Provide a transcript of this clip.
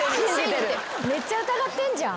めっちゃ疑ってんじゃん。